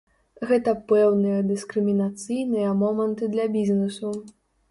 Гэта пэўныя дыскрымінацыйныя моманты для бізнесу.